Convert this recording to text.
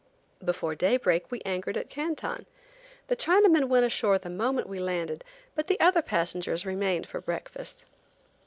Before daybreak we anchored at Canton. The Chinamen went ashore the moment we landed, but the other passengers remained for breakfast.